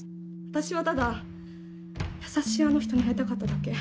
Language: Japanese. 私はただ優しいあの人に会いたかっただけ。